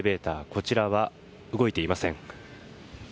こちらは動いていません。